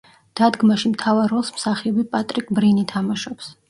დადგმაში მთავარ როლს მსახიობი პატრიკ ბრინი თამაშობს.